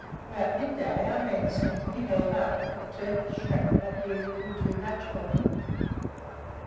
About mid day our men seemed to be held up, the Turkish shrapnel appearing to be too much for them.